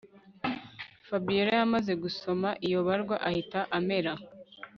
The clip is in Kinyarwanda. Fabiora yamaze gusoma iyo barwa ahita amera